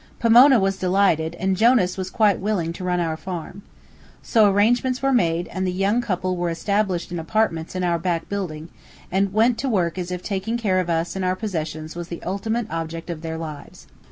Pomona was delighted, and Jonas was quite willing to run our farm. So arrangements were made, and the young couple were established in apartments in our back building, and went to work as if taking care of us and our possessions was the ultimate object of their lives.